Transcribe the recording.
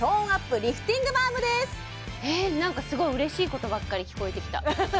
なんかすごい嬉しいことばっかり聞こえてきた